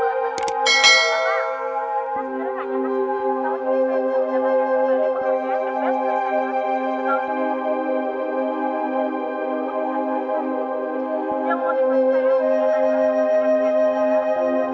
tapi mama dan papa nggak usah khawatir